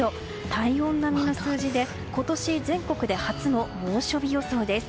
体温並みの数字で今年、全国で初の猛暑日予想です。